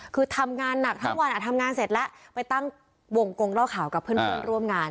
คือทำงานหนักทั้งวันทำงานเสร็จแล้วไปตั้งวงกงเล่าข่าวกับเพื่อนร่วมงาน